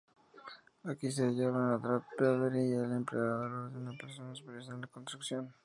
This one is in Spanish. Aquí se hallaban Darth Vader y el Emperador en persona supervisando la construcción.